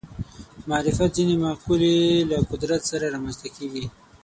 معرفت ځینې مقولې له قدرت سره رامنځته کېږي